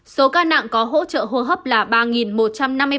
số ca nặng có hỗ trợ hô hấp là ba một trăm năm mươi ba ca